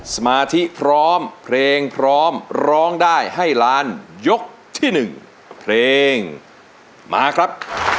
สมาธิพร้อมเพลงพร้อมร้องได้ให้ล้านยกที่๑เพลงมาครับ